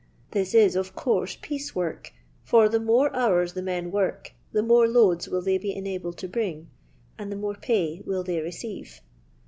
This is, of coorae, piece work, for the more hoara the men work the more loada will they be enabled to bring, and the more pay will they receive.